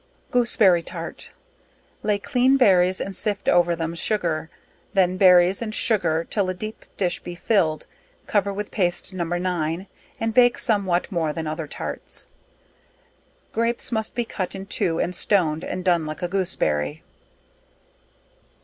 Gooseberry Tart. Lay clean berries and sift over them sugar, then berries and sugar 'till a deep dish be filled, cover with paste No. 9, and bake some what more than other tarts. Grapes, must be cut in two and stoned and done like a Gooseberry.